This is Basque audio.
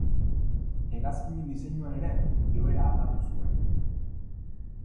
Hegazkinen diseinuan ere joera aldatu zuen.